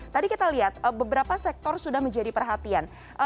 tadi kita lihat beberapa sektor sudah menjadi perhatian